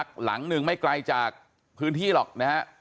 หลังหนึ่งไม่ไกลจากพื้นที่หรอกนะฮะ